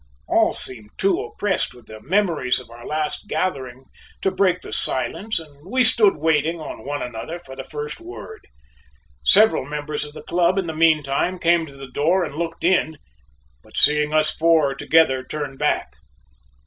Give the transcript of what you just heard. All seemed too oppressed with the memories of our last gathering to break the silence and we stood waiting on one another for the first word. Several members of the club in the meantime came to the door and looked in, but seeing us four together turned back.